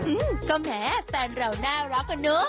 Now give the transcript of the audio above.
อื้มก็แหมแฟนเราน่ารักอ่ะนุ๊ก